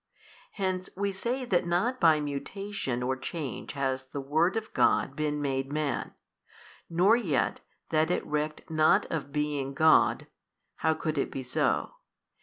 Hence we say that not by mutation or change has the Word of God been made Man, nor yet that It recked not of being God (how could it be so?)